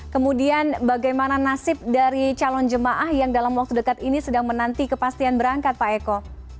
kemudian bagaimana nasib dari calon jemaah yang dalam waktu dekat ini sedang menanti kepastian berangkat pak eko